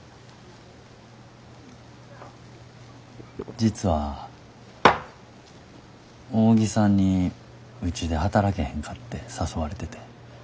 実は扇さんにうちで働けへんかって誘われてて。